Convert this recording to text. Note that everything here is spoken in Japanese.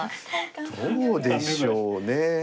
どうでしょうね。